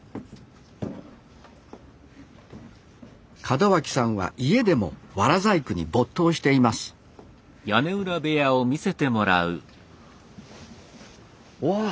門脇さんは家でもワラ細工に没頭していますうわっ！